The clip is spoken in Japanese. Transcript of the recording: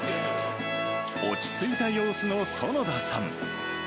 落ち着いた様子の園田さん。